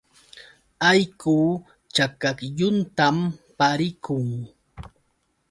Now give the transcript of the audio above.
Allqu chakaklluntam pariqun.